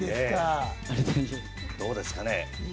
どうですかね？